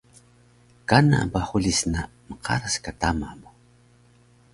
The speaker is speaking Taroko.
Kana ba hulis na mqaras ka tama mu